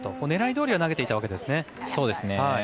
狙いどおりには投げていたわけですね。